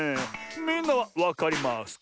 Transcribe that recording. みんなはわかりますキャ？